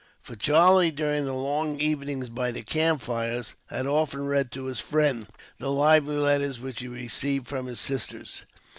For Charlie, during the long evenings by the campfires, had often read to his friend the lively letters which he received from his sisters.